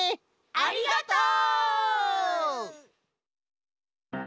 ありがとう！